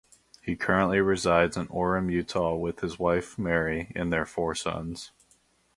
He currently resides in Orem, Utah with his wife, Mary, and their four sons.